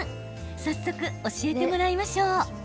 早速、教えてもらいましょう。